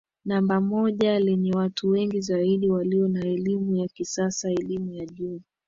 namba moja lenye watu wengi zaidi walio na elimu ya kisasa elimu ya juu